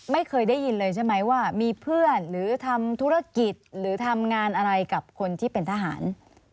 ไม่เคยได้ยินเลยใช่ไหมว่ามีเพื่อนหรือทำธุรกิจหรือทำงานอะไรกับคนที่เป็นทหาร